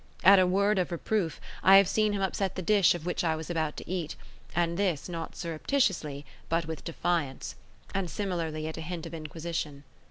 At a word of reproof, I have seen him upset the dish of which I was about to eat, and this not surreptitiously, but with defiance; and similarly at a hint of inquisition.